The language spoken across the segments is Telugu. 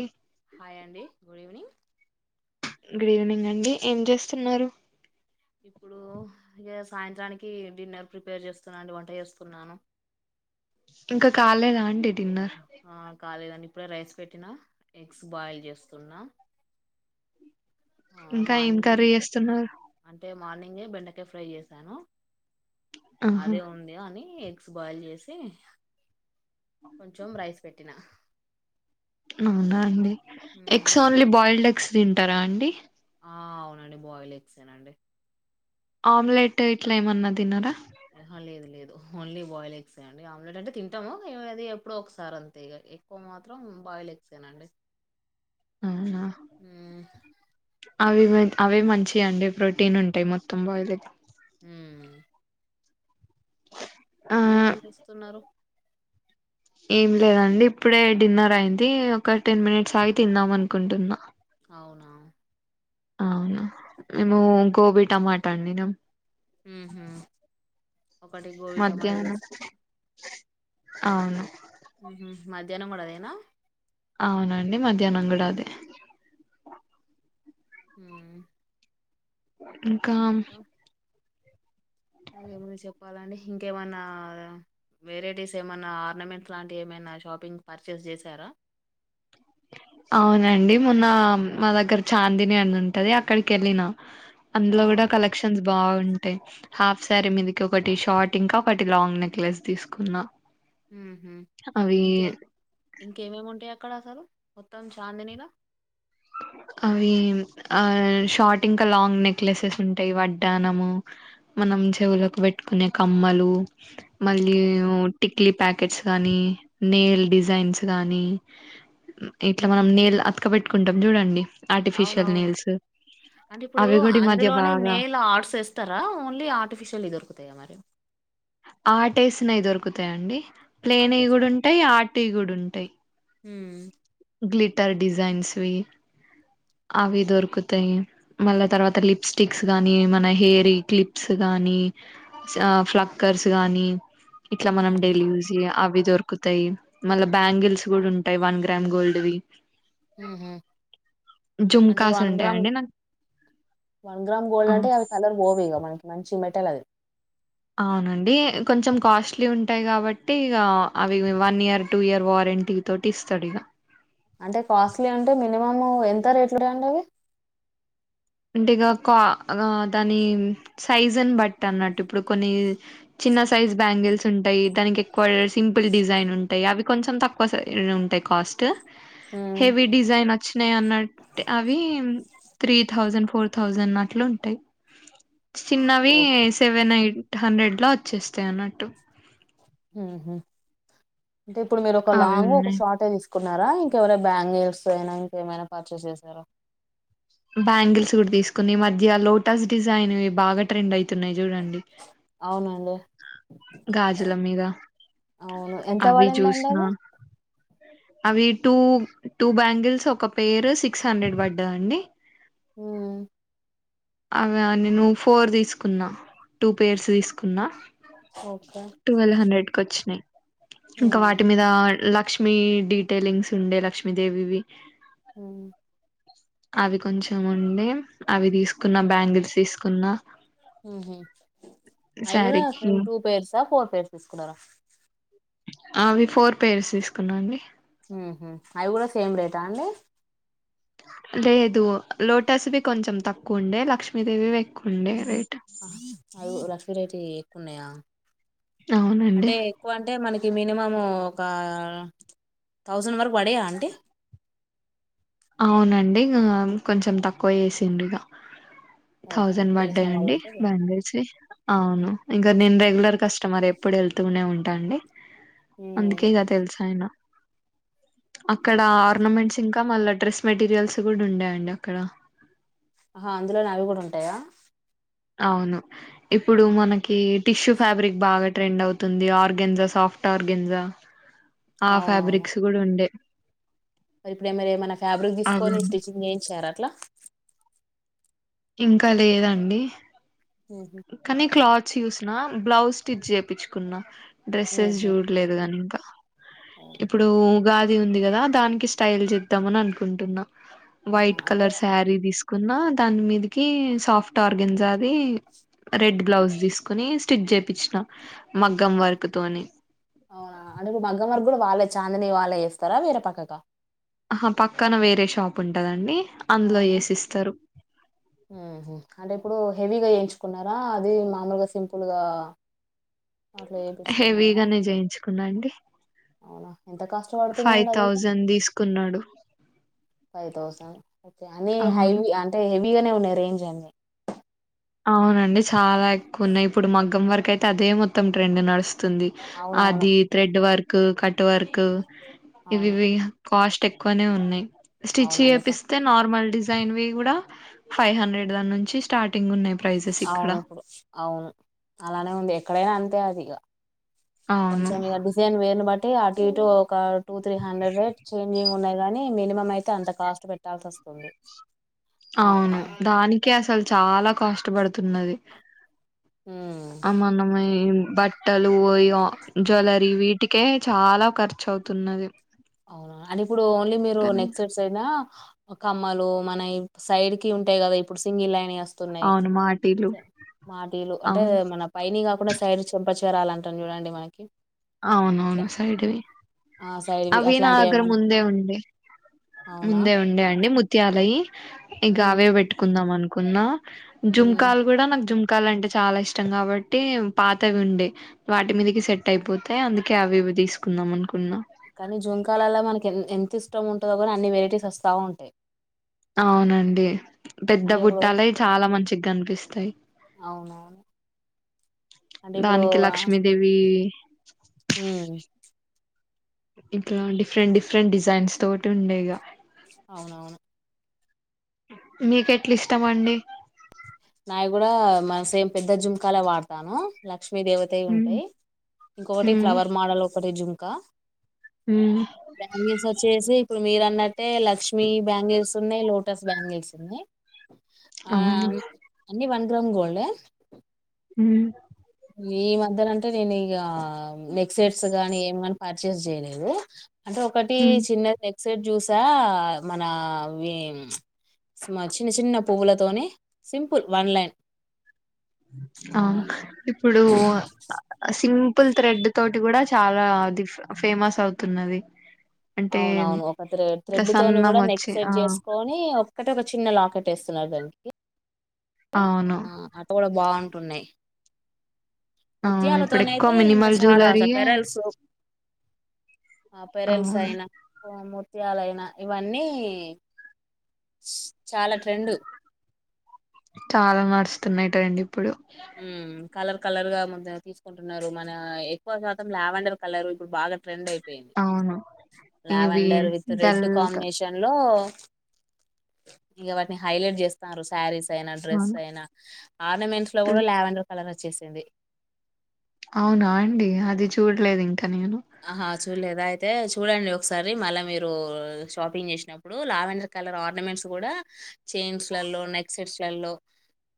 అం హాయ్ అండి గుడ్ ఈవెనింగ్ గుడ్ ఈవెనింగ్ అండి ఏం చేస్తున్నారు ఇప్పుడు ఇగ సాయంత్రానికి డిన్నర్ ప్రిపేర్ చేస్తున్నానండి వంట చేస్తున్నాను ఇంకా కాలేదా అండి డిన్నర్ ఆ కాలేదండి ఇప్పుడే రైస్ పెట్టినా ఎగ్స్ బాయిల్ జేస్తున్నా ఇంకా ఏం కర్రీ జేస్తున్నారు అంటే మార్నింగే బెండకాయ ఫ్రై చేసాను ఆహా అదే ఉంది అనీ బాయిల్ చేసి కొంచెమ్ రైస్ పెట్టినా అవునా అండి ఎగ్స్ ఓన్లీ బాయిల్డ్ ఎగ్స్ తింటారా అండి ఆ అవునండి బాయిల్ ఎక్సేనండి ఆమ్లెట్ ఇట్లా ఏమన్నా తినరా ఆహా లేదు లేదు ఓన్లీ బాయిల్ ఎగ్సేయండి ఆమ్లెట్ అంటే తింటాము అది ఎప్పుడో ఒకసారి అంతే ఎక్కువ మాత్రం బాయిల్ ఎగ్సెనండి [inaudible] అవునా మ్మ్ అవి మ అవి మంచ్ అండి ప్రోటీన్ ఉంటాయి మొత్తం బాయిల్ ఎగ్గ్ ఉమ్ ఆ మీరేం జేస్తున్నారు ఏం లేదండి ఇప్పుడే డిన్నర్ అయింది ఒక టెన్ మినిట్స్ ఆగి తిందాం అనుకుంటున్నా అవునా అవునా మేము గోబీ టమాటా వండినం ఉమ్ హూ ఒకటి గోబీ టమాట జేసిన ఆవును ఉమ్ హూమధ్యాహ్నం గూడా అదేనా అవునండి మధ్యాహ్నం గూడా అదే ఉమ్ ఇంకా ఏమన్నా చెప్పాలండి ఇంకేమన్నా వెరైటీస్ ఏమైన్నా ఆర్నమెంట్స్ లాంటివి ఏమైనా షాపింగ్ పర్చేస్ జేసారా [inaudible] అవునండి మొన్న మా దగ్గర చాందిని అని ఉంటది అక్కడికెళ్ళిన ఆ అందులో కూడా కలెక్షన్స్ బాగుంటే హాఫ్ శారీ మీదికి ఒకటి షార్ట్ ఇంకా ఒకటి లాంగ్ నెక్లెస్ తీసుకున్నా ఉహు అవి ఇంకే ఇంకేమేమి ఉంటాయా అక్కడ అసలు మొత్తం చాందినీలో అవి ఆ షార్ట్ ఇంకా లాంగ్ నెక్లెస్సెస్ ఉంటాయి వడ్డానము మన నం చెవులకు పెట్టుకునే కమ్మలు ఆ మళ్ళీ టిక్ లీ ప్యాకెట్స్ గానీ నేల్ డిజైన్స్ గానీ ఇట్లా మనం నేల్ అతక పెట్టుకుంటాం చూడండి ఆర్టిఫిషియల్ అవునవును నెల్స్ అంటే ఇప్పుడు అందులోనే నేల్ ఆర్ట్స్ ఎస్తారా ఓన్లీ ఆర్టిఫిషియల్ దొరుకుతాయా మరి ఆర్ట్ ఎసినవి దొరుకుతాయిండి ప్లేన్ ఆర్ట్ ఏసి కూడా ఉంటాయి ఆర్ట్ కూడా ఉంటాయి ఉమ్ గ్లిట్ ట్టర్ డిజైన్స్ వి అవి దొరుకుతాయి మళ్ళా తర్వాత లిప్స్టిక్స్ గానీ మన హెయిర్ క్లిప్స్ గానీ కానీ ప్లాక్కర్స్ గానీ ఇట్ల మనం ఉహు డైలీ యూజ్ ఇగ అవి దొరుకుతాయి మళ్ళా బ్యాంగిల్స్ కూడా ఉంటాయి వన్ గ్రామ్ గోల్డ్ వి ఉహు అంటే జుమ్కాస్ వన్ గ్రామ్ ఉంటాయండి నాకు వన్ గ్రామ్ ఆ గోల్డ్ అంటే అవి కలర్ పోవ్ ఇగ మనకి మంచి మెటల్ అది అవునండి కొంచెం కాస్ట్లీ ఉంటాయి కాబట్టి ఇగ అవి వన్ ఇయర్ టూ ఇయర్ వారె రెంటి తోటి ఇస్తాడిగా అంటే కాస్ట్లీ అంటే మినిమం ఎంత రేట్లు అండి అవి అంటే ఇగా కా దాని సైజ్ అని బట్టి అన్నట్టు ఇప్పుడు కొన్ని చిన్న సైజ్ బ్యాంగిల్స్ ఉంటాయి దానికి ఎక్కువ సింపుల్ డిజైన్ ఉంటాయి అవి కొంచెం తక్కువ సై ఉంటాయి కాస్ట్ ఉమ్ హెవీ డిజైన్ వచ్చినాయి అన్నట్టు అవి త్రీ థౌసండ్ ఫోర్ థౌజండ్ అట్లు ఉంటాయి చిన్నవి సెవెన్ ఎయిట్ హండ్రెడ్ లో వచ్చేస్తాయి అన్నట్టు అంటే ఇప్పుడు మీరు ఒక అవి లాంగ్ ఒక ఉన్నాయి షార్ట్ ఏ తీసు కున్నారా ఇంకేమన్నా బ్యాంగిల్స్ అయినా ఇంకేమైనా పర్చేస్ చేసారా బ్యాంగిల్స్ కూడా తీసుకుని ఈ మధ్య లోటస్ డిజైన్ ఇవి బాగా ట్రెండ్ అయతున్నాయి చూడండి అవునండి గాజుల మీద అవును ఎంత అవి పడిందండి చూసిన అది అవి టూ టూ బ్యాంగిల్స్ ఒక పేర్ సిక్స్ హండ్రెడ్ పడ్డాయి అండి ఊ అవ నేను ఫోర్ తీసుకున్నా టూ పేర్స్ తీసుకున్నా ఓకే టువల్ హండ్రెడ్ కి వచ్చినాయి ఇంకా వాటి ఉమ్ మీద లక్ష్మ లక్ష్మీ డీటెయిలింగ్స్ ఉండే లక్ష్మీదేవివి ఊ అవి కొంచెం ఉండే అవి తీసుకున్న బ్యాంగిల్స్ తీసుకున్న ఉహు అవి కూడా శారీకి టూ పేర్సా ఫోర్ పేర్స్ తీసుకున్నారా అవి ఫోర్ పేర్స్ తీసుకున్నా అండి అవి కూడా సేమ్ రేటా అండి లేదు లోటస్ వి కొంచెం తక్కువ ఉండే లక్ష్మీదేవి ఎక్కువ ఉండే రేట్ అవి లక్సరీ రేట్ ఉన్నాయా అవునండి అంటే ఎక్కువ అంటే మన మినిమం ఒక థౌసండ్ వరకు పడ్డయా అంటి అవునండి ఇగ కొంచెం తక్కువ చేసిండు ఇగ ఓకే థౌజండ్ తెలిసిన బడ్డయ్ వాళ్ళు అండి ఉంటే బ్యాంగిల్స్ అవును ఇంకా నేను రెగ్యులర్ కస్టమర్ ఏ ఏప్పుడు వెళ్తూనే ఉంటాండి ఉమ్ అందుకే ఇక తెలుసా ఆయన అక్కడ ఓకే ఆర్నమెంట్స్ ఇంకా మళ్ళ డ్రెస్ మెటీరియల్స్ కూడా ఉండా అండి అక్కడ ఆహా అందులోనే అవి కూడా ఉంటాయా అవును ఇప్పుడు మనకి టిష్యూ ఫ్యాబ్రిక్ బాగా ట్రెండ్ అవుతుంది. ఆర్గన్జా సాఫ్ట్ ఆర్గన్జా ఆ అవునవును ఫ్యాబ్రిక్స్ కూడా ఉండే మరి ఇప్పుడేమర ఏమైనా ఫ్యాబ్రిక్ తీసుకొని అవును స్టిచ్చింగ్ చేయిచ్చార అట్లా ఇంకా లేదండి. ఉహు కానీ క్లాత్స్ చూసిన బ్లౌజ్ స్టిచ్చేపిచ్చుకున్నా డ్రెస్సెస్ ఉహు చూడలేదు కానింకా ఓకే ఇప్పుడు గా ది ఉంది గదా దానికి స్టైల్ జేద్దామని అనుకుంటున్నా ఆహా, వైట్ అంటే కలర్ సారి తీస్ కున్నా దాని మీదకి సాఫ్ట్ ఆర్గన్జాది రెడ్ బ్లౌజ్ తీసుకొని స్టిచ్చేపిచ్చిన మగ్గం వర్కతోని అది కూడా వాళ్ళ చాందిని వాళ్లే చెస్తారా వేరే పక్కక ఆహ పక్కన వేరే షాప్ ఉంటదండి. అందులో అవునా చేసిస్తారు మ్మ్ హు అంటే ఇప్పుడు హెవీగా చేయించు కున్నరా అది మామూలుగా సింపుల్గా హెవీగానే చేయించుకున్నా అండి. అవునా ఎంత కాస్ట్ ఫైవ్ పడుతుందండి హెవీగ థౌజండ్ తీసుకున్నాడు ఫైవ్ థౌసండ్ అనీ అవును హైవి అంటే హెవ్ వీగనే ఉన్నాయ్ రేంజ్ అన్ని అవునండి చాలా ఎక్కుఉన్నాయ్ ఇప్పుడు మగ్గం వర్క్ అయితే అదే మొత్తం ట్రెండ్ నడుస్తు తుంది. అవునవును అది థ్రెడ్ వర్క్ కట్ వర్క్ అవును ఇవివి కాస్ట్ ఎక్కువనే ఉన్నాయ్. స్టిచ్ అవునండికా చేపిస్తే నార్మల్ దిస్ జైన్వి కూడా ఫైవ్ హండ్రెడ్ దాన్నుంచి స్టార్టింగ్ ఉన్నాయ్ బౌ అవునప్పుడు అవును అలానే ఉంది. ఎక్కడైనా అంతే అది ఇగ అవును. కొంచెం ఇక డిజైన్ వేరుని బట్టి అటు ఇటు ఒక two three hundred rate change అయ్ ఉన్నాయ్ గాని మినిమం అయితే అంత కాస్ట్ పెట్టాల్సి వస్తుంది. ఆ అవును దానికే అసలు చాలా కాస్ట్ పడుతున్నది. ఉమ్ అమన్నమే బట్టలు ఇగ జ్యువలరీ వీటికే చాలా ఖర్చు అవుతున్నది. అవునా అండ్ ఇప్పుడు ఓన్లీ మీరు కానీ నెక్స్ సెట్స్సేనా కమ్మలు మనయ్ సైడ్ కి ఉంటాయ్ కదా ఇప్పుడు సింగిల్ లైన్ గా తున్నాయ్. అవును మాటీలు మాటీలు అంటే అవును మన పైనియ్ కాకుండా సైడ్ చంపచ చరాలంటాం చూడండి మనకి అట్లా అవునవును సైడివి ఆ సైడ్వి అవి నా అట్లాంటివి దగ్గర ఏమన్నా ముందే ఉండే అవునా ముందే ఉండే అండి ముత్యాలయి ఇక అవే ఉమ్ పెట్టుకుందాం అనుకున్న జుంకాలు కూడా నాకు జుం ంకాలంటే చాలా ఇష్టం కాబట్టి పాతవి ఉండే వాటి మీదకి సెట్ అయిపోత్ అయ్ అందుకే అవి ఇవి తీసుకుందాం అనుకున్నా కానీ జూంకాలల్లో మనకి ఎం ఎంత ఇష్టం ఉంటదో కానీ అన్ని వెరైటీస్ వస్తా ఉంటాయ్. అవునండి పెద్ద అంటే ఇప్పుడు బుట్టాలయ్ చాలా మంచిగా కనిపిస్తాయి. అవునవును. అంటే దానికి లక్ష్మీదేవి మ్మ్ ఇట్లా డిఫరెంట్ డిఫరెంట్ డిజైన్స్ తోటుండేగ అవునవును. మీకెట్ల ఇష్టమండి. నావి కూడా మన సేమ్ పెద్ద జుంకాలే వాడతాను. లేక్ లక్ష్మీ దేవతయి ఉమ్ ఉంటాయ్. ఇంకొకటి ఉమ్ ఫ్లవర్ మాడల్ ఒకటి జుంక ఉమ్ బ్యాంగిల్స్ వచ్చేసి ఇప్పుడు మీరు అన్నట్టే లక్ష్మీ బ్యాంగిల్స్ ఉన్నయ్ లోటస్ బ్యాంగిల్స్ ఉన్నయ్. ఆ అవును అన్నీ వన్ గ్రామ్ గోల్డె ఉమ్ ఈ మధ్యలో అంటే నేను ఇగ నెక్సెట్స్ గానీ ఏమి గాని పర్చేస్ చేయలేదు అంటే ఒకటి ఉమ్ చిన్న నెక్సెట్స్ జ్యూసా మన అవి మా చిన్న చిన్న పువ్వులతోని సింపుల్ వన్ లైన్ ఆ ఇప్పుడు సిం పుల్ త్రెడ్ తోటి గూడా చాలా అది ఫేమస్ అవుతున్నది అంటే అవునవును ఒక ఇట్లా త్రెడ్ తోను సన్నం గూడా నెక్ వచ్చి ఆ సెట్ చేసుకొని ఒక్కటే ఒక చిన్న లాకె ట్టేస్తున్నారు దానికి అవును ఆ అట్లా కూడా బాగుంటున్నాయి అవును ఇప్పుడు ఎక్కువ ముత్యాలతోనయితే ఇంకా మినిమల్ చాలా జ్యువెలరీయే పెరల్సు ఆ పెరల్స్ అవును అయినా ముత్యాలయిన ఇవన్నీ చాలా ట్రెండు చాలా నడుస్తున్నాయి ట్రెండ్ ఉమ్ కలర్ కలర్ గా తీసుకుంటున్నారు మన ఎక్కువ శాతం ల్యావెండర్ కలర్ ఇప్పుడు బాగా ట్రెండ్ అయింది పోయింది అవును ఇవి లావెండర్ విత్ రెడ్ డల్ క కాంబినేషన్ లో ఇగ వాటిని హైలైట్ జేస్తున్నారు శారీస్ అయినా డ్రెస్ అవును అయినా ఆర్నమెంట్స్ లో గూడా పిల్- లావెండర్ కలర్ వచ్చేసింది లేదు ఇంకా నేను ఆహా చూడలేదా అయితే చూడండి ఒకసారి మళ్ళా మీరు షాపింగ్ జేసినప్పుడు లావెండర్ కలర్ ఆర్నమెంట్స్ కూడా చైన్స్ లల్లో నెక్ సెట్స్ లల్లో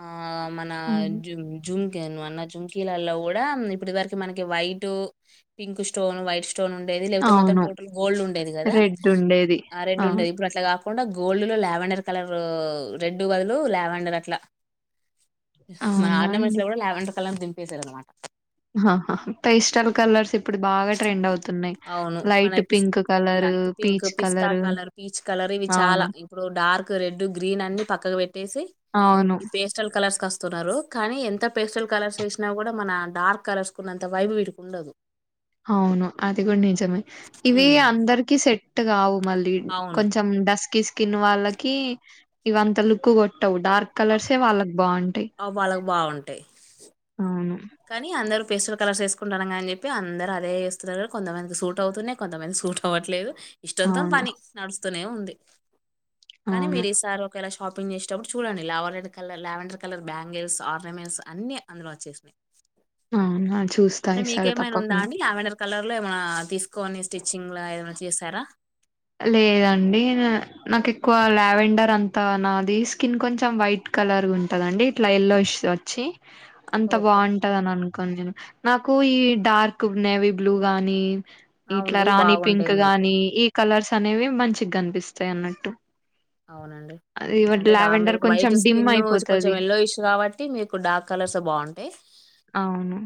అ ఆ మన అవును జు జుంకీ నువ్వు అన్న జుంకీలలో గూడా ఇప్పటి వరకి మనకి వైట్ పింక్ స్టోన్ వైట్ స్ట స్టోన్ ఉండేది లేకపోతే మొత్తం అవును టోటల్ గోల్డ్ ఉండేది గదా రెడ్ ఉండేది ఆ రెడ్ అవును ఉండేది ఇప్పుడు అట్లా కాదు కాకుండా గోల్డ్ లో ల్యావెండర్ కలర్ రెడ్ బదులు లావెండర్ అట్లా మన అవునా ఆర్నమెంట్స్ అండి లో కూడా లావెండర్ కలర్ దింపేశారు అన్నమాట ఆహా పేస్టల్ కలర్స్ ఇప్పుడు బాగా ట్రెండ్ అవుతుంది అవును మనపి లైట్ పింక్ పీచ్ పిస్తా కలరు కలర్ పీచ్ కలర్ ఇవి చాలా అవును ఇప్పుడు డార్క్ రెడ్ గ్రీన్ అన్ని పక్కకు పెట్టేసి అవును. ఇప్పుడు పేస్టల్ కలర్స్ వస్తున్నారు కానీ ఎంత పేస్టల్ కలర్స్ వేసినా కూడా మన డార్క్ కలర్స్ ఉన్నంత వైడ్ వీటికి ఉండదు అవును అది కూడా నిజమే ఇవి ఉమ్, అందరికిీ సెట్ కావు మళ్ళీ అవును కొంచెం డస్కి స్కిన్ వాళ్ళకి ఇవంత లుక్ కొట్ టౌ డార్క్ అ- కలర్సే వాళ్ళకి బాగుంటాయి ఆ వాళ్ళకి బాగుంటాయి అవును కానీ అందరు పెస్టల్ కలర్స్ వేసుకుంటరు అని జెప్పి అందరు అదేస్తున్నారు కొంతమందికి సూట్ అవుతున్నాయి కొంతమంది సూట్ అవట్లేదు ఇష్టంతో అవును. పని నడుస్తూనే ఉంది కానీ అవును. మీరు ఈసారి ఒక వేళ షాపింగ్ చేసేటప్పుడు చూడండి లావెడ్ colour lavender colour bangles ornaments అన్ని అందులో వచ్చేస్తాయి అవునా చూస్తా అంటే ఈసారి మీకేమైనా ఉందా తప్పకుండా. అని లావెండర్ కలర్ లో ఏమ తీసుకోని స్టిచ్చింగ్ ఏమన్నా చేసారా లేదండి నాకు ఎక్కువ లావెండర్ అంతా నాది స్కిన్ కొంచెం వైట్ కలర్ ఉంటదండి ఇట్లా ఎల్లో స్ వచ్చి అంత ఓకే బాగుంటదని అనుకు కొంచెం నాకు ఈ డార్క్ నేవీ బ్లూ గాని అవును ఇట్లా ఇవి రాణి బాగుంటాయి పింక్ మీకు గాని ఈ కలర్స్ అనేవి మంచి గనిపిస్తాయి అన్నట్టు అవునండి అది అంటే లావెండర్ మీరు కొంచెం వైట్ డిమ్ స్కిన్ కొంచెం అయిపోతది ఎల్లో ఇష్ కాబట్టి మీకు డార్క్ కలర్స్ బాగుంటాయి అవును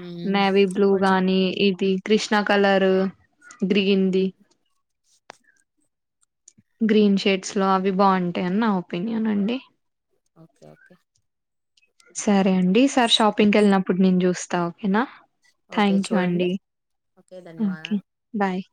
మ్మ్. నేవీ బ్లూ కొంచెం గాని ఇది కృష్ణా కలరు గ్రీన్ ది మ్మ్. గ్రీన్ షేడ్స్ లో అవి బాగుంటాయని నా ఒపీనియన్ అండి ఓకే ఓకే సరే అండి ఈసారి షాపింగ్ వెళ్ళినప్పుడు నేను చూస్తా ఓకేనా ఓకే థ్యాంక్ యూ చూడండి అండి ఓకే ఓకే ధన్యవాదాలు బాయ్